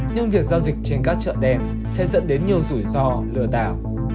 nhưng việc giao dịch trên các chợ đen sẽ dẫn đến nhiều rủi ro lừa đảo